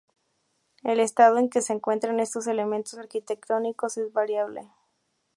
El estado en que se encuentran estos elementos arquitectónicos es variable.